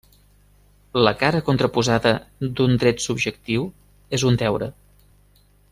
La cara contraposada d'un dret subjectiu és un deure.